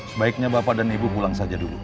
sebaiknya bapak dan ibu pulang saja dulu